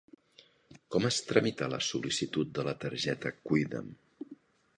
Com es tramita la sol·licitud de la targeta Cuida'm?